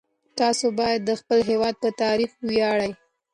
تاسو باید د خپل هیواد په تاریخ وویاړئ.